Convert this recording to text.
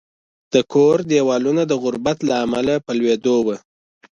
د کور دېوالونه د غربت له امله په لوېدو وو